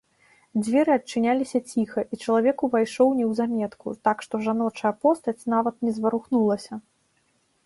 Дзверы адчыняліся ціха, і чалавек увайшоў неўзаметку, так што жаночая постаць нават не зварухнулася.